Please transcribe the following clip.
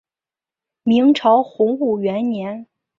明朝洪武元年。